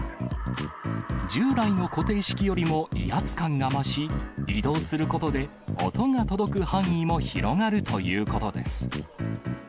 従来の固定式よりも威圧感が増し、移動することで、音が届く範囲も広がるということです。